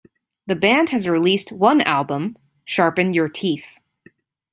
The band has released one album, "Sharpen Your Teeth".